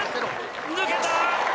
抜けた！